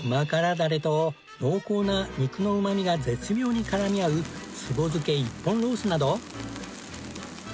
だれと濃厚な肉のうまみが絶妙に絡み合う壺漬け一本ロースなど。